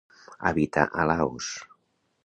Habita a Laos.